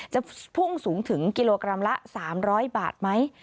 จะพุ่งสูงถึงกิโลกรัมละ๓๐๐บาทไหม